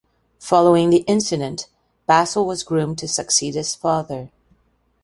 Following the incident, Bassel was groomed to succeed his father.